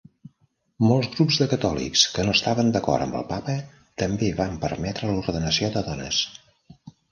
Molts grups de catòlics que no estaven d'acord amb el Papa també van permetre l'ordenació de dones.